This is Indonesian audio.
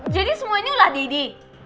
jadi semua ini ulah daddy